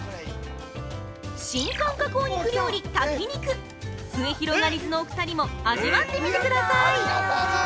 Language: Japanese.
新感覚お肉料理「炊き肉」すゑひろがりずのお二人も味わってみてください。